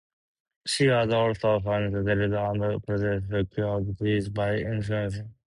She was also a fortune-teller and pretended to cure diseases by incantations.